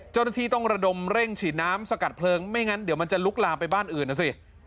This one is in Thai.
เจ้าหน้าที่ต้องระดมเร่งฉีดน้ำสกัดเพลิงไม่งั้นเดี๋ยวมันจะลุกลามไปบ้านอื่นนะสิ